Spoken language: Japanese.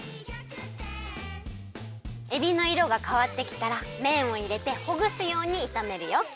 「大ぎゃくてん」えびのいろがかわってきたらめんをいれてほぐすようにいためるよ。